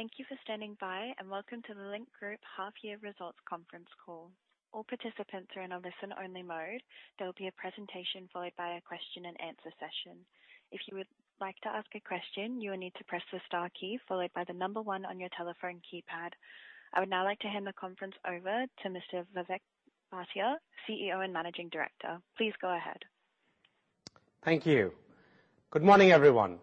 Thank you for standing by, and welcome to the Link Group Half Year Results Conference Call. All participants are in a listen-only mode. There will be a presentation followed by a question-and-answer session. If you would like to ask a question, you will need to press the star key followed by the number 1 on your telephone keypad. I would now like to hand the conference over to Mr. Vivek Bhatia, CEO and Managing Director. Please go ahead. Thank you. Good morning, everyone.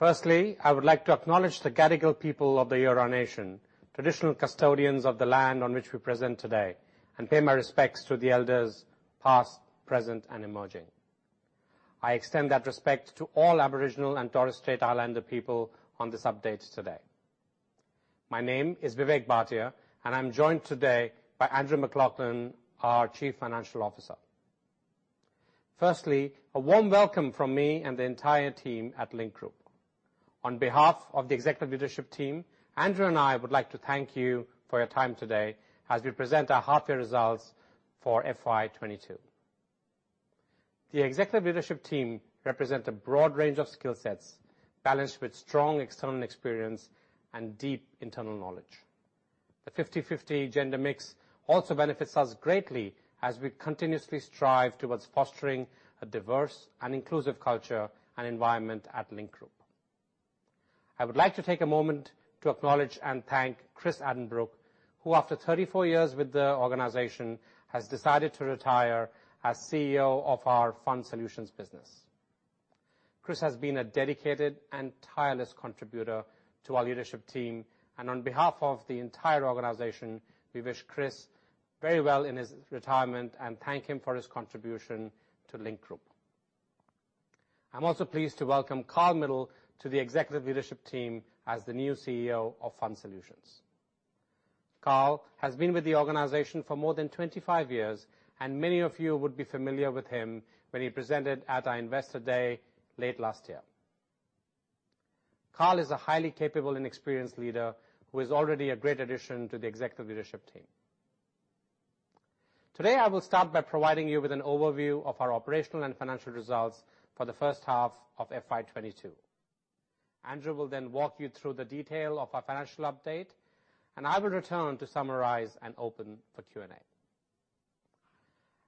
I would like to acknowledge the Gadigal people of the Eora nation, traditional custodians of the land on which we present today, and pay my respects to the elders past, present, and emerging. I extend that respect to all Aboriginal and Torres Strait Islander people on this update today. My name is Vivek Bhatia, and I'm joined today by Andrew MacLachlan, our Chief Financial Officer. A warm welcome from me and the entire team at Link Group. On behalf of the executive leadership team, Andrew and I would like to thank you for your time today as we present our half year results for FY 2022. The executive leadership team represent a broad range of skill sets, balanced with strong external experience and deep internal knowledge. The 50-50 gender mix also benefits us greatly as we continuously strive towards fostering a diverse and inclusive culture and environment at Link Group. I would like to take a moment to acknowledge and thank Chris Addenbrooke, who after 34 years with the organization, has decided to retire as CEO of our Fund Solutions business. Chris has been a dedicated and tireless contributor to our leadership team, and on behalf of the entire organization, we wish Chris very well in his retirement and thank him for his contribution to Link Group. I'm also pleased to welcome Karl Midl to the executive leadership team as the new CEO of Fund Solutions. Karl has been with the organization for more than 25 years, and many of you would be familiar with him when he presented at our Investor Day late last year. Karl is a highly capable and experienced leader who is already a great addition to the executive leadership team. Today, I will start by providing you with an overview of our operational and financial results for the first half of FY 2022. Andrew will then walk you through the detail of our financial update, and I will return to summarize and open for Q&A.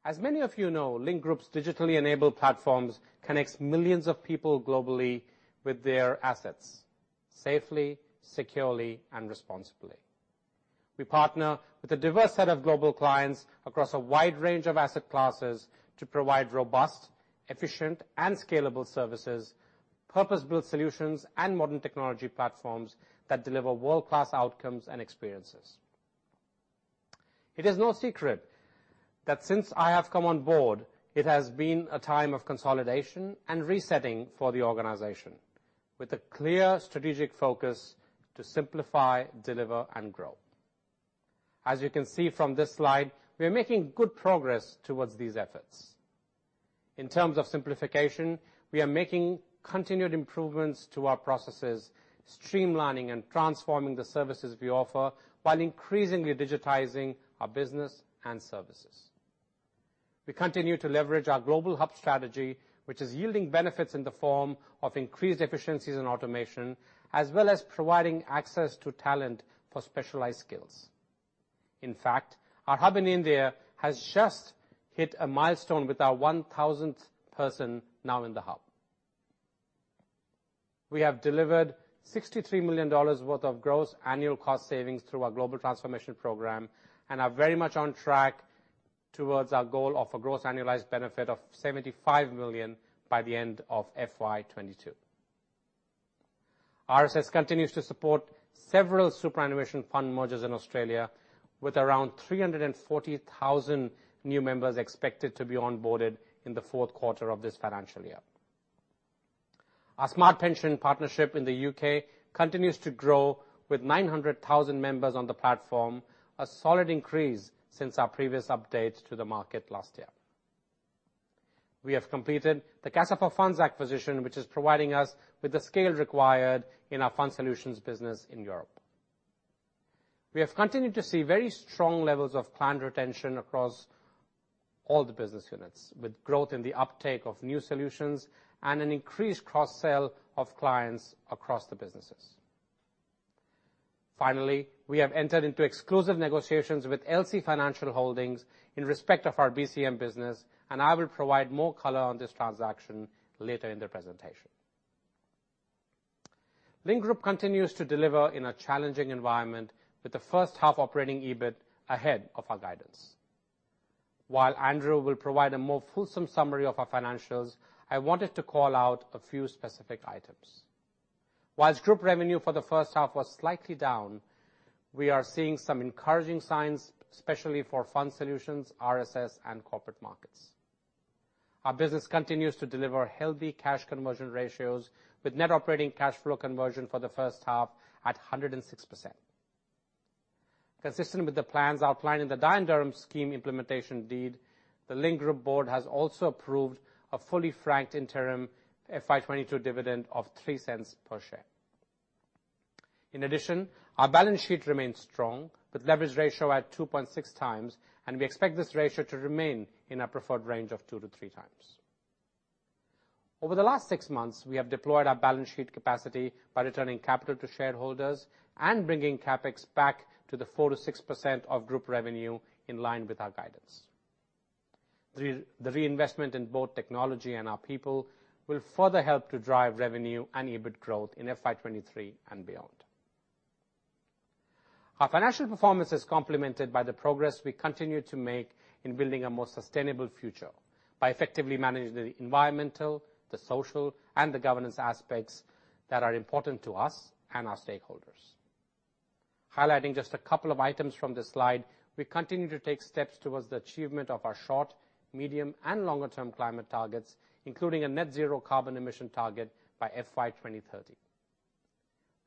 As many of you know, Link Group's digitally enabled platforms connects millions of people globally with their assets safely, securely, and responsibly. We partner with a diverse set of global clients across a wide range of asset classes to provide robust, efficient, and scalable services, purpose-built solutions, and modern technology platforms that deliver world-class outcomes and experiences. It is no secret that since I have come on board, it has been a time of consolidation and resetting for the organization with a clear strategic focus to simplify, deliver, and grow. As you can see from this slide, we are making good progress towards these efforts. In terms of simplification, we are making continued improvements to our processes, streamlining and transforming the services we offer while increasingly digitizing our business and services. We continue to leverage our global hub strategy, which is yielding benefits in the form of increased efficiencies in automation, as well as providing access to talent for specialized skills. In fact, our hub in India has just hit a milestone with our 1,000th person now in the hub. We have delivered 63 million dollars worth of gross annual cost savings through our global transformation program and are very much on track towards our goal of a gross annualized benefit of 75 million by the end of FY 2022. RSS continues to support several superannuation fund mergers in Australia, with around 340,000 new members expected to be onboarded in the fourth quarter of this financial year. Our Smart Pension partnership in the U.K. continues to grow with 900,000 members on the platform, a solid increase since our previous update to the market last year. We have completed the Casa4Funds acquisition, which is providing us with the scale required in our Fund Solutions business in Europe. We have continued to see very strong levels of client retention across all the business units, with growth in the uptake of new solutions and an increased cross-sell of clients across the businesses. Finally, we have entered into exclusive negotiations with LC Financial Holdings in respect of our BCM business, and I will provide more color on this transaction later in the presentation. Link Group continues to deliver in a challenging environment with the first half operating EBIT ahead of our guidance. While Andrew will provide a more fulsome summary of our financials, I wanted to call out a few specific items. While group revenue for the first half was slightly down, we are seeing some encouraging signs, especially for Fund Solutions, RSS, and Corporate Markets. Our business continues to deliver healthy cash conversion ratios with net operating cash flow conversion for the first half at 106%. Consistent with the plans outlined in the Dye & Durham Scheme Implementation Deed, the Link Group board has also approved a fully franked interim FY 2022 dividend of 0.03 per share. In addition, our balance sheet remains strong, with leverage ratio at 2.6 times, and we expect this ratio to remain in our preferred range of 2-3 times. Over the last six months, we have deployed our balance sheet capacity by returning capital to shareholders and bringing CapEx back to the 4%-6% of group revenue in line with our guidance. The reinvestment in both technology and our people will further help to drive revenue and EBIT growth in FY 2023 and beyond. Our financial performance is complemented by the progress we continue to make in building a more sustainable future by effectively managing the environmental, social, and governance aspects that are important to us and our stakeholders. Highlighting just a couple of items from this slide, we continue to take steps towards the achievement of our short, medium, and longer term climate targets, including a net zero carbon emission target by FY 2030.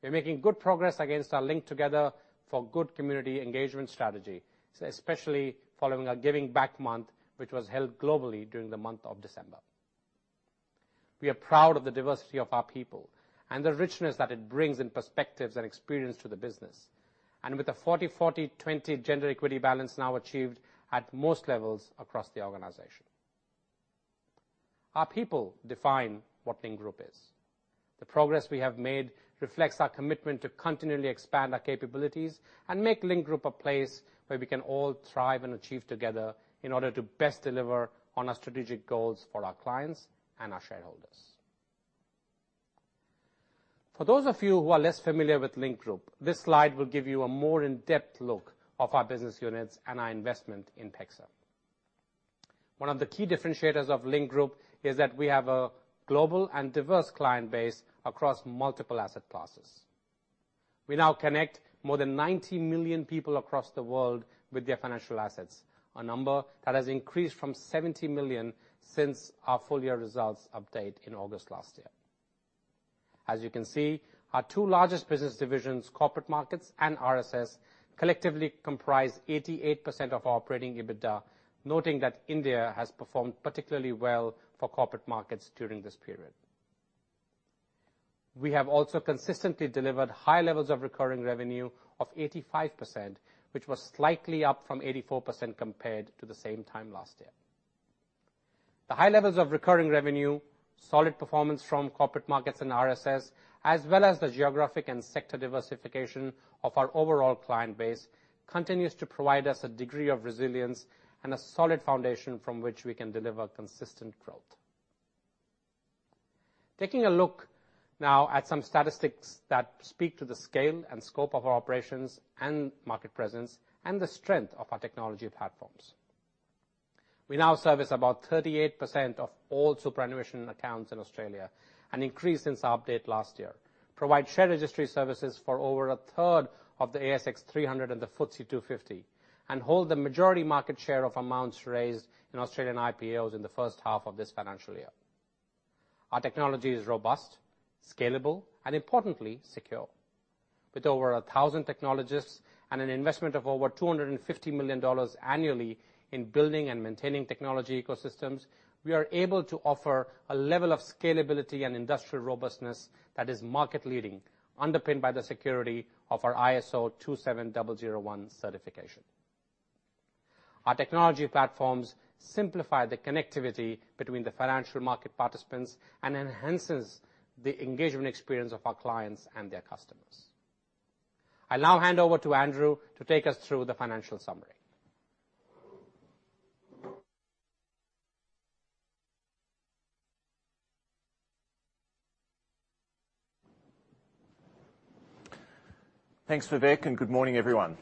We're making good progress against our LinkTogether for Good community engagement strategy, especially following our Giving Back Month, which was held globally during the month of December. We are proud of the diversity of our people and the richness that it brings, and perspectives and experience to the business, and with a 40-40-20 gender equity balance now achieved at most levels across the organization. Our people define what Link Group is. The progress we have made reflects our commitment to continually expand our capabilities and make Link Group a place where we can all thrive and achieve together in order to best deliver on our strategic goals for our clients and our shareholders. For those of you who are less familiar with Link Group, this slide will give you a more in-depth look of our business units and our investment in PEXA. One of the key differentiators of Link Group is that we have a global and diverse client base across multiple asset classes. We now connect more than 90 million people across the world with their financial assets, a number that has increased from 70 million since our full year results update in August last year. As you can see, our two largest business divisions, Corporate Markets and RSS, collectively comprise 88% of our operating EBITDA, noting that India has performed particularly well for Corporate Markets during this period. We have also consistently delivered high levels of recurring revenue of 85%, which was slightly up from 84% compared to the same time last year. The high levels of recurring revenue, solid performance from Corporate Markets and RSS, as well as the geographic and sector diversification of our overall client base, continues to provide us a degree of resilience and a solid foundation from which we can deliver consistent growth. Taking a look now at some statistics that speak to the scale and scope of our operations and market presence and the strength of our technology platforms. We now service about 38% of all superannuation accounts in Australia, an increase since our update last year. We provide share registry services for over 1/3 of the ASX 300 and the FTSE 250, and hold the majority market share of amounts raised in Australian IPOs in the first half of this financial year. Our technology is robust, scalable, and importantly, secure. With over 1,000 technologists and an investment of over 250 million dollars annually in building and maintaining technology ecosystems, we are able to offer a level of scalability and industrial robustness that is market leading, underpinned by the security of our ISO/IEC 27001 certification. Our technology platforms simplify the connectivity between the financial market participants and enhances the engagement experience of our clients and their customers. I now hand over to Andrew to take us through the financial summary. Thanks, Vivek, and good morning, everyone.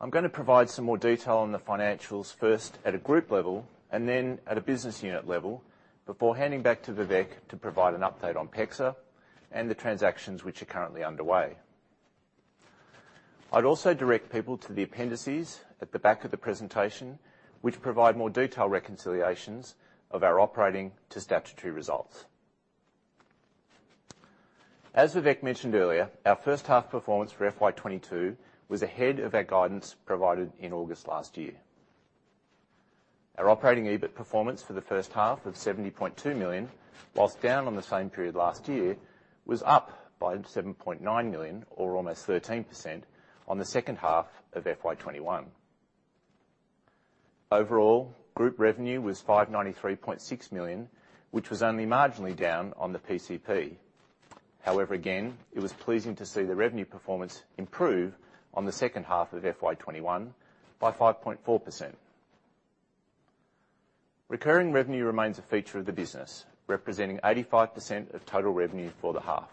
I'm gonna provide some more detail on the financials, first at a group level, and then at a business unit level before handing back to Vivek to provide an update on PEXA and the transactions which are currently underway. I'd also direct people to the appendices at the back of the presentation, which provide more detailed reconciliations of our operating to statutory results. As Vivek mentioned earlier, our first half performance for FY 2022 was ahead of our guidance provided in August last year. Our operating EBIT performance for the first half of 70.2 million, while down on the same period last year, was up by 7.9 million or almost 13% on the second half of FY 2021. Overall, group revenue was 593.6 million, which was only marginally down on the PCP. However, again, it was pleasing to see the revenue performance improve on the second half of FY 2021 by 5.4%. Recurring revenue remains a feature of the business, representing 85% of total revenue for the half.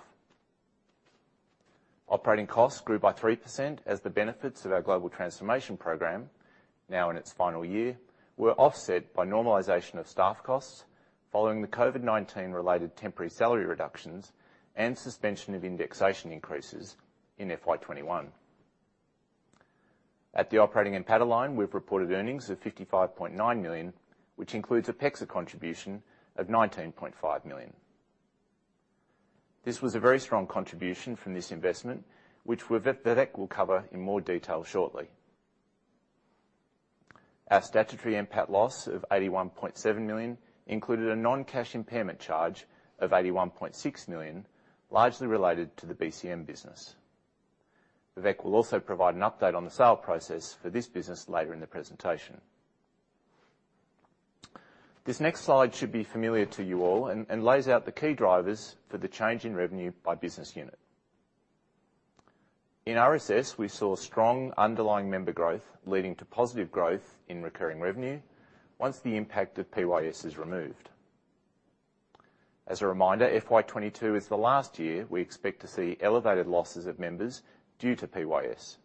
Operating costs grew by 3% as the benefits of our global transformation program, now in its final year, were offset by normalization of staff costs following the COVID-19 related temporary salary reductions and suspension of indexation increases in FY 2021. At the operating and PAT line, we've reported earnings of 55.9 million, which includes a PEXA contribution of 19.5 million. This was a very strong contribution from this investment, which Vivek will cover in more detail shortly. Our statutory NPAT loss of 81.7 million included a non-cash impairment charge of 81.6 million, largely related to the BCM business. Vivek will also provide an update on the sale process for this business later in the presentation. This next slide should be familiar to you all and lays out the key drivers for the change in revenue by business unit. In RSS, we saw strong underlying member growth leading to positive growth in recurring revenue once the impact of PYS is removed. As a reminder, FY 2022 is the last year we expect to see elevated losses of members due to PYS.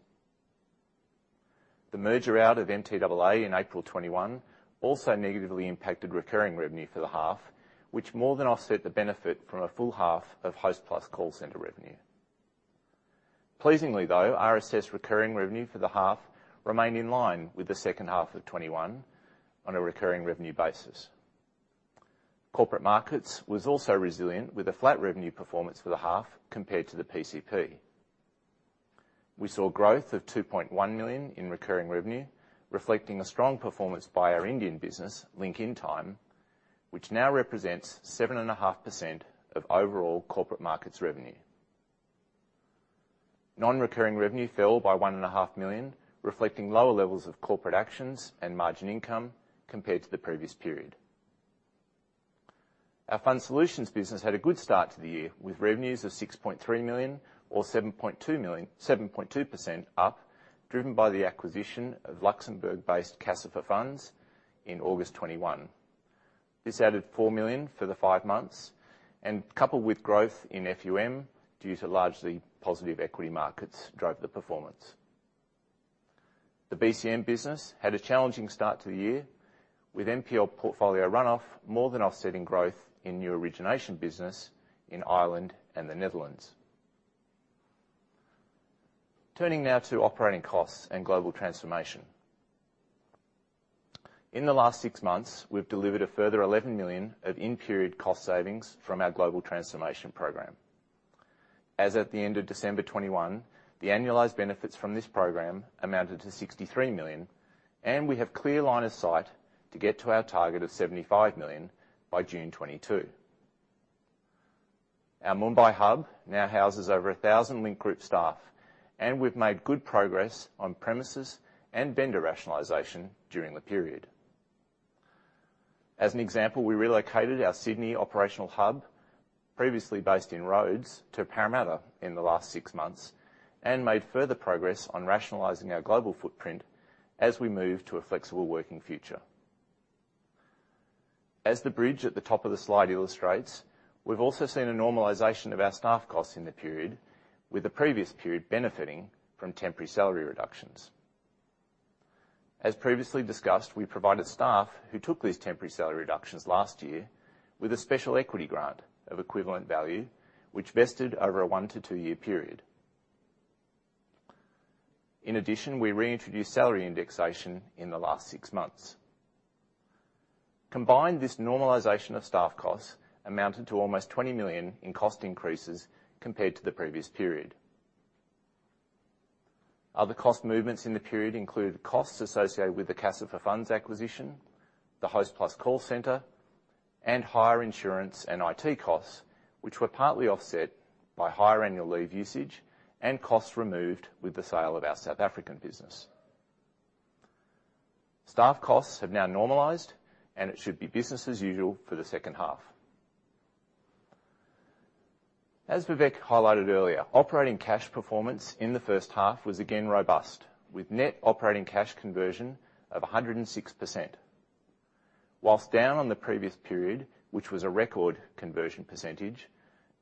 The merger out of MTAA in April 2021 also negatively impacted recurring revenue for the half, which more than offset the benefit from a full half of Hostplus call center revenue. Pleasingly though, RSS recurring revenue for the half remained in line with the second half of 2021 on a recurring revenue basis. Corporate Markets was also resilient, with a flat revenue performance for the half compared to the PCP. We saw growth of 2.1 million in recurring revenue, reflecting a strong performance by our Indian business, Link Intime, which now represents 7.5% of overall Corporate Markets revenue. Non-recurring revenue fell by 1.5 million, reflecting lower levels of corporate actions and margin income compared to the previous period. Our Fund Solutions business had a good start to the year with revenues of 6.3 million, 7.2% up, driven by the acquisition of Luxembourg-based Casa4Funds in August 2021. This added 4 million for the five months, and coupled with growth in FUM due to largely positive equity markets drove the performance. The BCM business had a challenging start to the year, with NPL portfolio run off more than offsetting growth in new origination business in Ireland and the Netherlands. Turning now to operating costs and global transformation. In the last 6 months, we've delivered a further 11 million of in-period cost savings from our global transformation program. As at the end of December 2021, the annualized benefits from this program amounted to 63 million, and we have clear line of sight to get to our target of 75 million by June 2022. Our Mumbai hub now houses over 1,000 Link Group staff, and we've made good progress on premises and vendor rationalization during the period. As an example, we relocated our Sydney operational hub, previously based in Rhodes, to Parramatta in the last six months and made further progress on rationalizing our global footprint as we move to a flexible working future. As the bridge at the top of the slide illustrates, we've also seen a normalization of our staff costs in the period, with the previous period benefiting from temporary salary reductions. As previously discussed, we provided staff who took these temporary salary reductions last year with a special equity grant of equivalent value, which vested over a 1-2 year period. In addition, we reintroduced salary indexation in the last six months. Combined, this normalization of staff costs amounted to almost 20 million in cost increases compared to the previous period. Other cost movements in the period include costs associated with the Casa4Funds acquisition, the Hostplus call center, and higher insurance and IT costs, which were partly offset by higher annual leave usage and costs removed with the sale of our South African business. Staff costs have now normalized, and it should be business as usual for the second half. As Vivek highlighted earlier, operating cash performance in the first half was again robust, with net operating cash conversion of 106%. While down on the previous period, which was a record conversion percentage,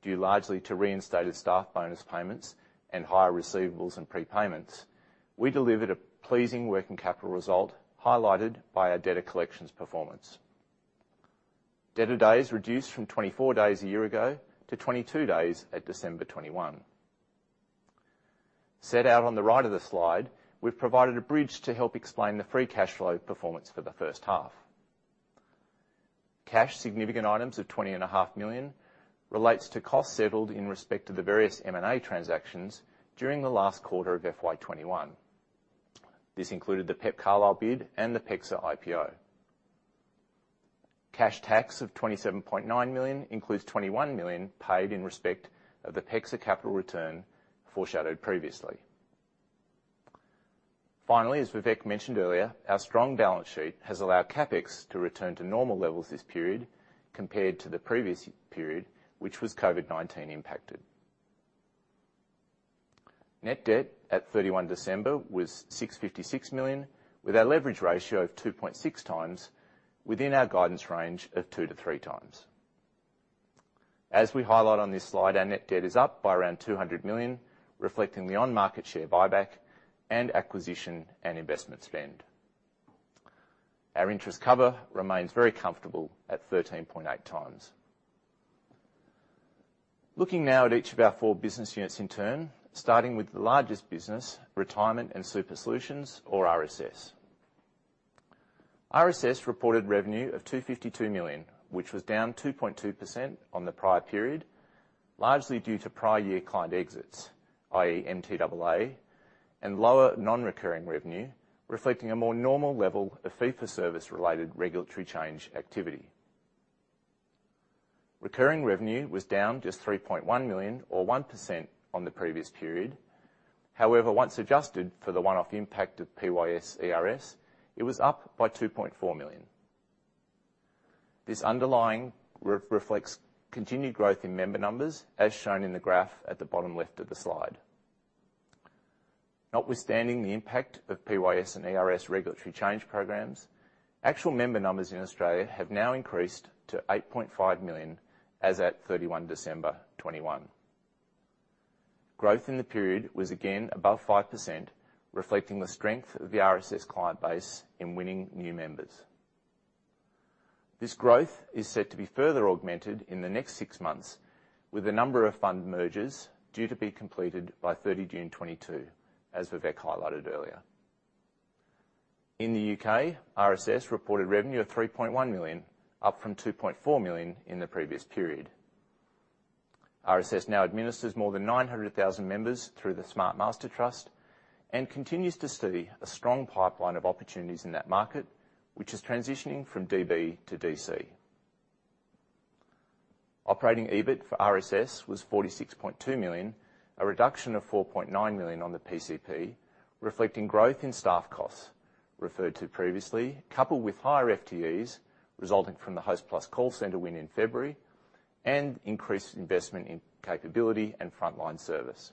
due largely to reinstated staff bonus payments and higher receivables and prepayments, we delivered a pleasing working capital result highlighted by our debtor collections performance. Debtor days reduced from 24 days a year ago to 22 days at December 2021. Set out on the right of the slide, we've provided a bridge to help explain the free cash flow performance for the first half. Cash significant items of 20.5 million relates to costs settled in respect to the various M&A transactions during the last quarter of FY 2021. This included the PEP/Carlyle bid and the PEXA IPO. Cash tax of 27.9 million includes 21 million paid in respect of the PEXA capital return foreshadowed previously. Finally, as Vivek mentioned earlier, our strong balance sheet has allowed CapEx to return to normal levels this period compared to the previous period, which was COVID-19 impacted. Net debt at 31 December was 656 million, with our leverage ratio of 2.6x within our guidance range of 2-3x. As we highlight on this slide, our net debt is up by around 200 million, reflecting the on-market share buyback and acquisition and investment spend. Our interest cover remains very comfortable at 13.8x. Looking now at each of our four business units in turn, starting with the largest business, Retirement and Superannuation Solutions, or RSS. RSS reported revenue of 252 million, which was down 2.2% on the prior period, largely due to prior year client exits, i.e. MTAA, and lower non-recurring revenue, reflecting a more normal level of fee for service-related regulatory change activity. Recurring revenue was down just 3.1 million or 1% on the previous period. However, once adjusted for the one-off impact of PYS ERS, it was up by 2.4 million. This underlying reflects continued growth in member numbers, as shown in the graph at the bottom left of the slide. Notwithstanding the impact of PYS and ERS regulatory change programs, actual member numbers in Australia have now increased to 8.5 million as at 31 December 2021. Growth in the period was again above 5%, reflecting the strength of the RSS client base in winning new members. This growth is set to be further augmented in the next six months with a number of fund mergers due to be completed by 30 June 2022, as Vivek highlighted earlier. In the U.K., RSS reported revenue of 3.1 million, up from 2.4 million in the previous period. RSS now administers more than 900,000 members through the Smart Pension Master Trust and continues to study a strong pipeline of opportunities in that market, which is transitioning from DB to DC. Operating EBIT for RSS was 46.2 million, a reduction of 4.9 million on the PCP, reflecting growth in staff costs referred to previously, coupled with higher FTEs resulting from the Hostplus call center win in February, and increased investment in capability and frontline service.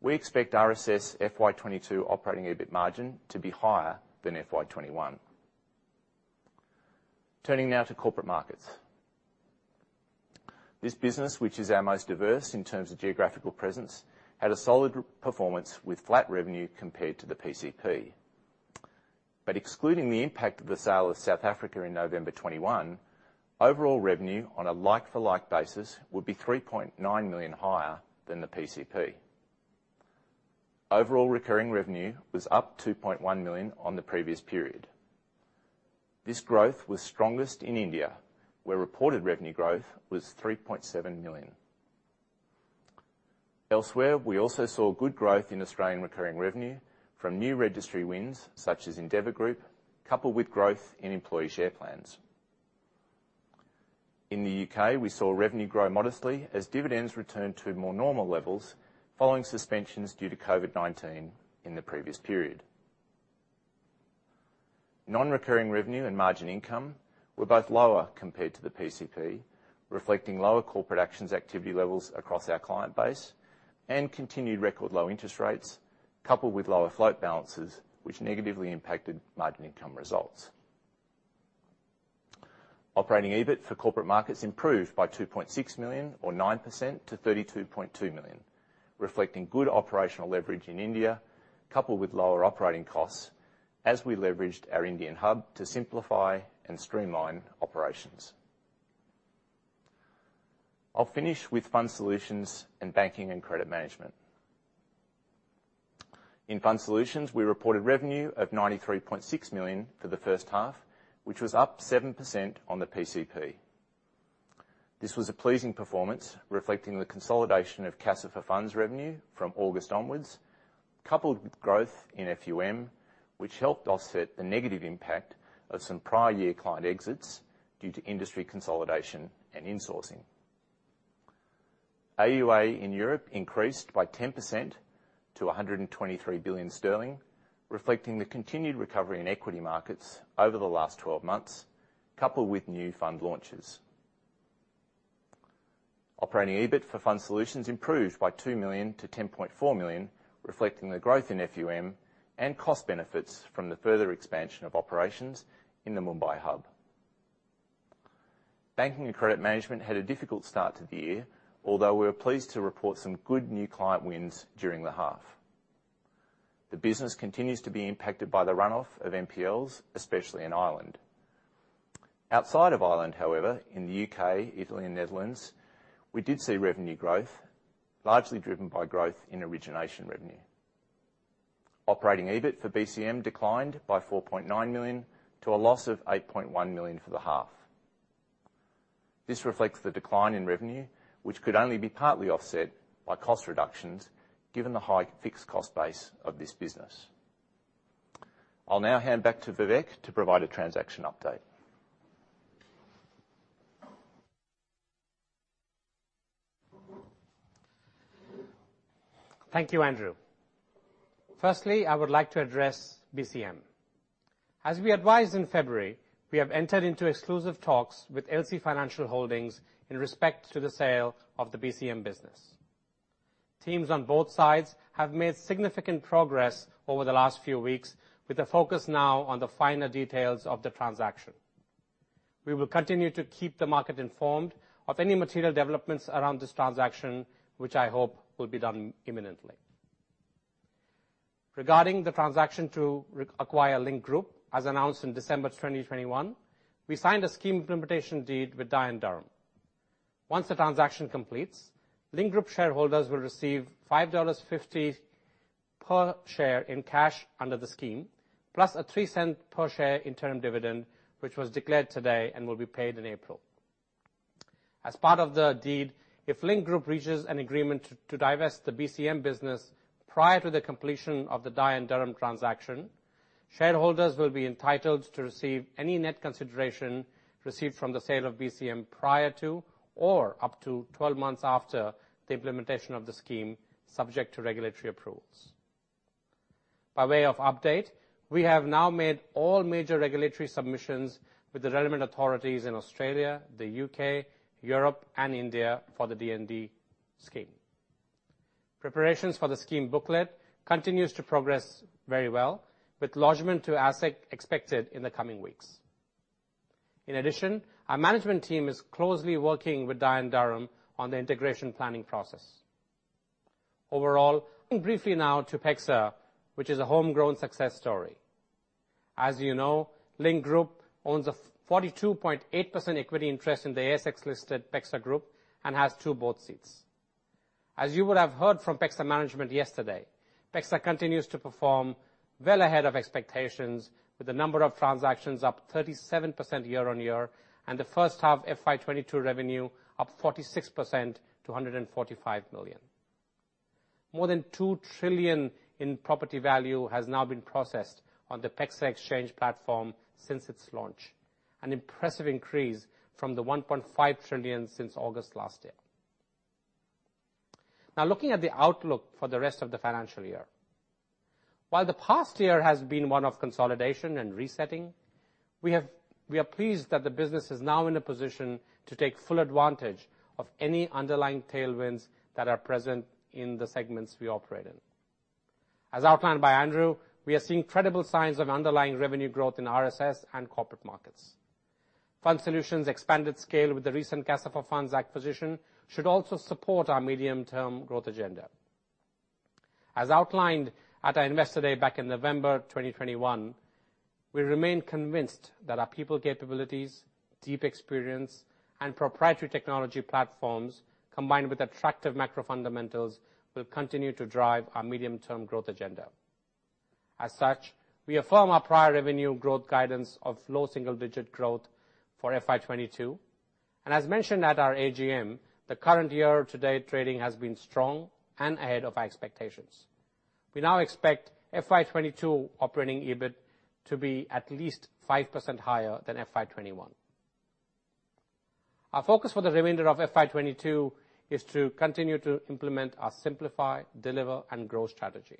We expect RSS FY 2022 operating EBIT margin to be higher than FY 2021. Turning now to Corporate Markets. This business, which is our most diverse in terms of geographical presence, had a solid performance with flat revenue compared to the PCP. Excluding the impact of the sale of South Africa in November 2021, overall revenue on a like-for-like basis would be 3.9 million higher than the PCP. Overall recurring revenue was up 2.1 million on the previous period. This growth was strongest in India, where reported revenue growth was 3.7 million. Elsewhere, we also saw good growth in Australian recurring revenue from new registry wins, such as Endeavour Group, coupled with growth in employee share plans. In the U.K., we saw revenue grow modestly as dividends returned to more normal levels following suspensions due to COVID-19 in the previous period. Non-recurring revenue and margin income were both lower compared to the PCP, reflecting lower corporate actions activity levels across our client base and continued record low interest rates coupled with lower float balances which negatively impacted margin income results. Operating EBIT for Corporate Markets improved by 2.6 million or 9% to 32.2 million, reflecting good operational leverage in India, coupled with lower operating costs as we leveraged our Indian hub to simplify and streamline operations. I'll finish with Fund Solutions and Banking and Credit Management. In Fund Solutions, we reported revenue of 93.6 million for the first half, which was up 7% on the PCP. This was a pleasing performance reflecting the consolidation of Casa4Funds revenue from August onwards, coupled with growth in FUM, which helped offset the negative impact of some prior year client exits due to industry consolidation and insourcing. AUA in Europe increased by 10% to 123 billion sterling, reflecting the continued recovery in equity markets over the last 12 months, coupled with new fund launches. Operating EBIT for Fund Solutions improved by 2 million to 10.4 million, reflecting the growth in FUM and cost benefits from the further expansion of operations in the Mumbai hub. Banking and Credit Management had a difficult start to the year, although we were pleased to report some good new client wins during the half. The business continues to be impacted by the runoff of NPLs, especially in Ireland. Outside of Ireland, however, in the U.K., Italy and Netherlands, we did see revenue growth, largely driven by growth in origination revenue. Operating EBIT for BCM declined by 4.9 million to a loss of 8.1 million for the half. This reflects the decline in revenue, which could only be partly offset by cost reductions given the high fixed cost base of this business. I'll now hand back to Vivek to provide a transaction update. Thank you, Andrew. Firstly, I would like to address BCM. As we advised in February, we have entered into exclusive talks with LC Financial Holdings in respect to the sale of the BCM business. Teams on both sides have made significant progress over the last few weeks, with the focus now on the final details of the transaction. We will continue to keep the market informed of any material developments around this transaction, which I hope will be done imminently. Regarding the transaction to re-acquire Link Group, as announced in December 2021, we signed a Scheme Implementation Deed with Dye & Durham. Once the transaction completes, Link Group shareholders will receive 5.50 dollars per share in cash under the scheme, plus a 0.03 per share interim dividend, which was declared today and will be paid in April. As part of the deed, if Link Group reaches an agreement to divest the BCM business prior to the completion of the Dye & Durham transaction. Shareholders will be entitled to receive any net consideration received from the sale of BCM prior to or up to 12 months after the implementation of the scheme, subject to regulatory approvals. By way of update, we have now made all major regulatory submissions with the relevant authorities in Australia, the U.K., Europe and India for the D&D scheme. Preparations for the scheme booklet continue to progress very well with lodgment to ASIC expected in the coming weeks. In addition, our management team is closely working with Dye & Durham on the integration planning process. Overall, briefly now to PEXA, which is a homegrown success story. As you know, Link Group owns a 42.8% equity interest in the ASX listed PEXA Group and has two board seats. As you will have heard from PEXA management yesterday, PEXA continues to perform well ahead of expectations, with the number of transactions up 37% year-on-year and the first half FY 2022 revenue up 46% to 145 million. More than 2 trillion in property value has now been processed on the PEXA exchange platform since its launch, an impressive increase from the 1.5 trillion since August last year. Now looking at the outlook for the rest of the financial year. While the past year has been one of consolidation and resetting, we are pleased that the business is now in a position to take full advantage of any underlying tailwinds that are present in the segments we operate in. As outlined by Andrew, we are seeing credible signs of underlying revenue growth in RSS and Corporate Markets. Fund Solutions expanded scale with the recent Casa4Funds acquisition should also support our medium-term growth agenda. As outlined at our investor day back in November 2021, we remain convinced that our people capabilities, deep experience and proprietary technology platforms, combined with attractive macro fundamentals, will continue to drive our medium-term growth agenda. As such, we affirm our prior revenue growth guidance of low single-digit growth for FY 2022. As mentioned at our AGM, the current year to date trading has been strong and ahead of our expectations. We now expect FY 2022 operating EBIT to be at least 5% higher than FY 2021. Our focus for the remainder of FY 2022 is to continue to implement our simplify, deliver and grow strategy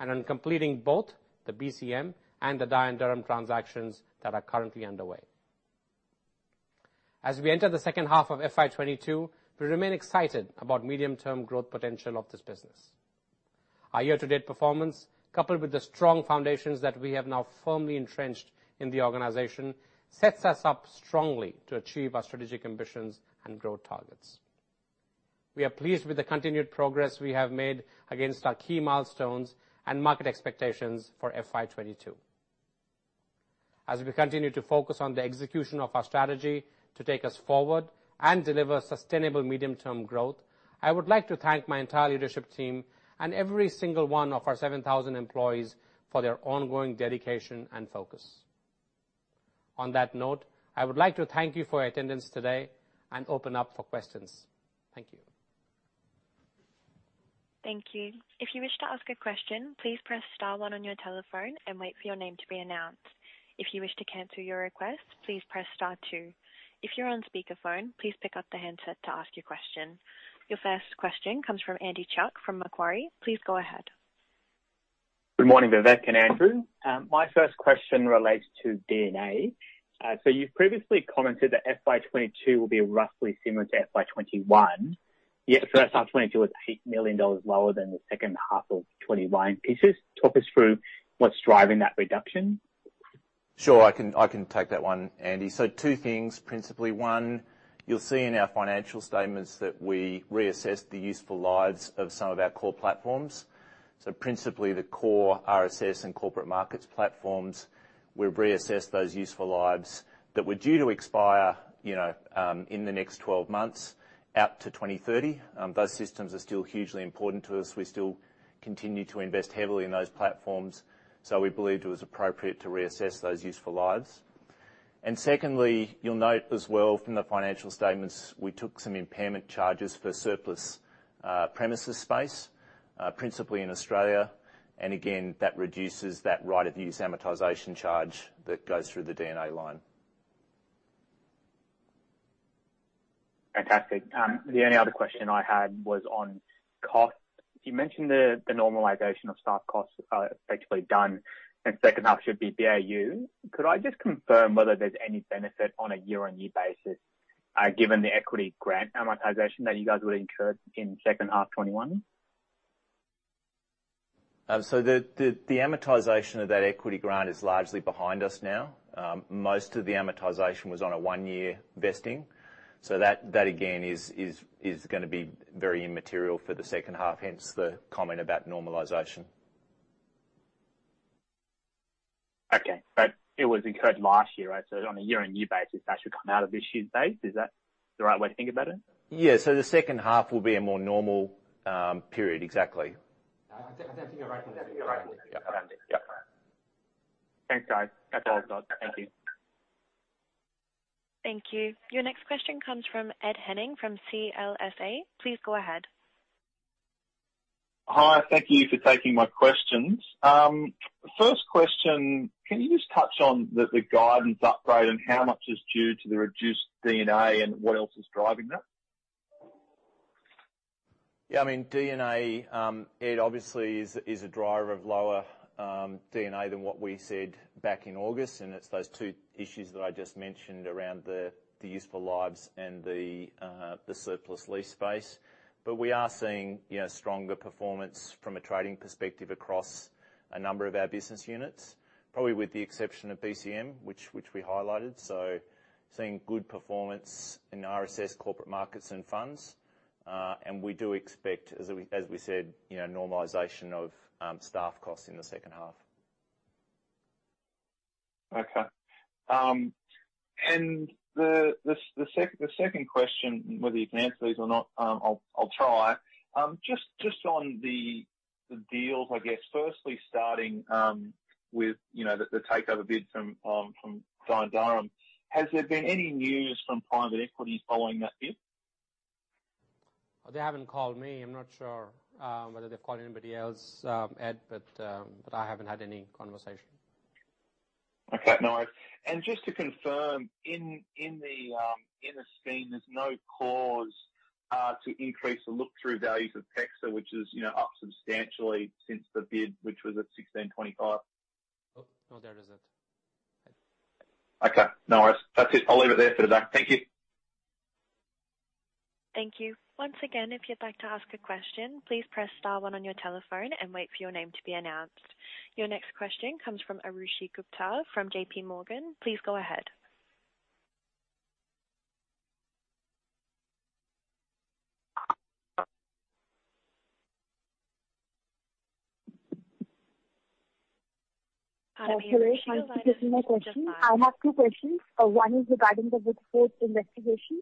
and on completing both the BCM and the Dye & Durham transactions that are currently underway. As we enter the second half of FY 2022, we remain excited about medium-term growth potential of this business. Our year-to-date performance, coupled with the strong foundations that we have now firmly entrenched in the organization, sets us up strongly to achieve our strategic ambitions and growth targets. We are pleased with the continued progress we have made against our key milestones and market expectations for FY 2022. As we continue to focus on the execution of our strategy to take us forward and deliver sustainable medium-term growth, I would like to thank my entire leadership team and every single one of our 7,000 employees for their ongoing dedication and focus. On that note, I would like to thank you for your attendance today and open up for questions. Thank you. Thank you. If you wish to ask a question, please press star one on your telephone and wait for your name to be announced. If you wish to cancel your request, please press star two. If you're on speakerphone, please pick up the handset to ask your question. Your first question comes from Andy Chuk from Macquarie. Please go ahead. Good morning, Vivek and Andrew. My first question relates to D&A. You've previously commented that FY 2022 will be roughly similar to FY 2021, yet the first half 2022 was 8 million dollars lower than the second half of 2021. Can you just talk us through what's driving that reduction? Sure, I can take that one, Andy. Two things, principally. One, you'll see in our financial statements that we reassessed the useful lives of some of our core platforms. Principally the core RSS and Corporate Markets platforms. We've reassessed those useful lives that were due to expire in the next 12 months out to 2030. Those systems are still hugely important to us. We still continue to invest heavily in those platforms, so we believed it was appropriate to reassess those useful lives. Secondly, you'll note as well from the financial statements, we took some impairment charges for surplus premises space, principally in Australia. Again, that reduces that right of use amortization charge that goes through the D&A line. Fantastic. The only other question I had was on cost. You mentioned the normalization of staff costs are effectively done and second half should be BAU. Could I just confirm whether there's any benefit on a year-on-year basis, given the equity grant amortization that you guys would incur in second half 2021? The amortization of that equity grant is largely behind us now. Most of the amortization was on a one-year vesting, so that again is gonna be very immaterial for the second half, hence the comment about normalization. Okay. It was incurred last year, right? On a year-over-year basis, that should come out of this year's base. Is that the right way to think about it? Yeah. The second half will be a more normal period. Exactly. Thanks, guys. That's all. Thank you. Thank you. Your next question comes from Ed Henning from CLSA. Please go ahead. Hi. Thank you for taking my questions. First question, can you just touch on the guidance upgrade and how much is due to the reduced D&A and what else is driving that? Yeah. I mean, D&A, it obviously is a driver of lower D&A than what we said back in August. It's those two issues that I just mentioned around the useful lives and the surplus lease space. We are seeing, you know, stronger performance from a trading perspective across a number of our business units, probably with the exception of BCM, which we highlighted. Seeing good performance in RSS, Corporate Markets and Funds. We do expect, as we said, you know, normalization of staff costs in the second half. Okay. The second question, whether you can answer these or not, I'll try. Just on the deals, I guess, firstly starting with you know the takeover bid from Dye & Durham. Has there been any news from private equity following that bid? They haven't called me. I'm not sure whether they've called anybody else, Ed, but I haven't had any conversation. Okay, no worries. Just to confirm, in the scheme there's no cause to increase the look-through values of PEXA, which is up substantially since the bid, which was at 16.25? No, no, there isn't. Okay, no worries. That's it. I'll leave it there for now. Thank you. Thank you. Once again, if you'd like to ask a question, please press star one on your telephone and wait for your name to be announced. Your next question comes from Arushi Gupta from J.P. Morgan. Please go ahead. Hello. Thanks for taking my question. I have two questions. One is regarding the Woodford investigation.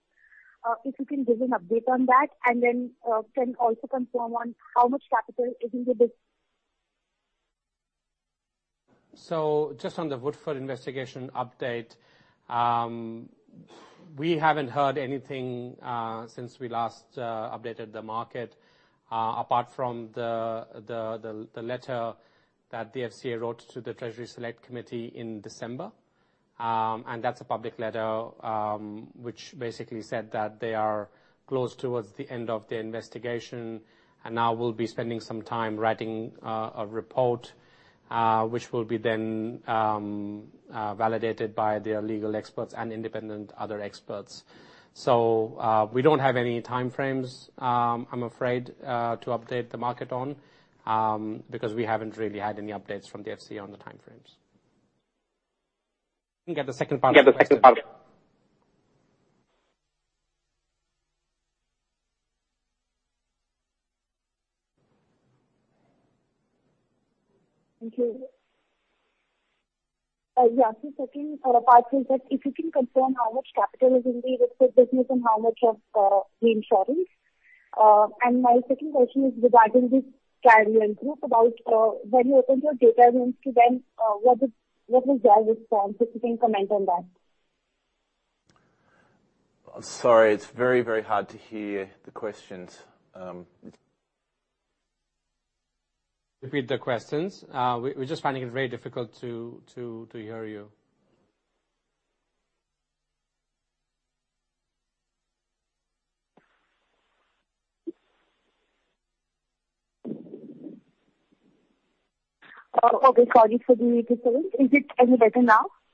If you can give an update on that and then, can also confirm on how much capital is in the bus-- Just on the Woodford investigation update, we haven't heard anything since we last updated the market, apart from the letter that the FCA wrote to the Treasury Select Committee in December. That's a public letter, which basically said that they are close towards the end of their investigation and now will be spending some time writing a report, which will be then validated by their legal experts and independent other experts. We don't have any time frames, I'm afraid, to update the market on, because we haven't really had any updates from the FCA on the time frames. Can you get the second part of the question? Thank you. The second part is that if you can confirm how much capital is in the Woodford business and how much of the insurance. My second question is regarding the Carlyle Group about when you open your data rooms to them, what was their response? If you can comment on that. Sorry, it's very, very hard to hear the questions. Repeat the questions. We're just finding it very difficult to hear you. Okay. [Sorry for the weak signal]. Is it any better now?